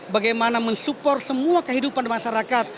bagaimana mensupport semua kehidupan masyarakat